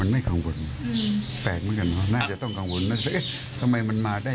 อันนี้เป็นประโยคที่เจี๊ยบเป็นคนพูดกับพี่ใช่ไหมครับ